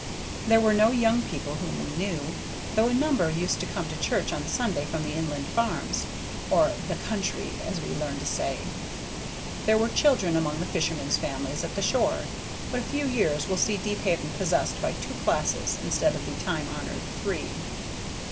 There were no young people whom we knew, though a number used to come to church on Sunday from the inland farms, or "the country," as we learned to say. There were children among the fishermen's families at the shore, but a few years will see Deephaven possessed by two classes instead of the time honored three.